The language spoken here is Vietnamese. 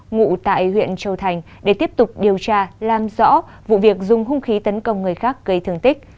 ngụ tại huyện châu thành để tiếp tục điều tra làm rõ vụ việc dùng hung khí tấn công người khác gây thương tích